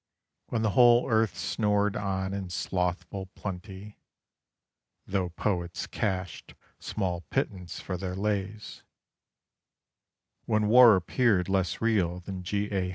When the whole earth snored on in slothful plenty (Tho' poets cashed small pittance for their lays); When war appeared less real than G. A.